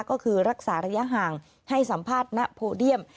ก็คือรักษาระยะห่างให้สัมภาษณ์ณโพเดียม